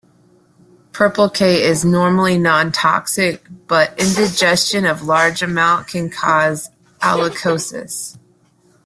Purple-K is normally non-toxic, but ingestion of large amount can cause alkalosis.